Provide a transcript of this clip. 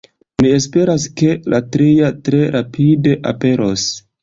Mi esperas, ke la tria tre rapide aperos.